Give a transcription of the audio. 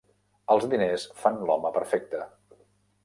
Els diners fan l'home perfecte.